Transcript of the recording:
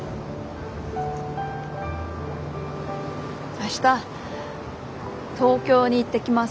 明日東京に行ってきます。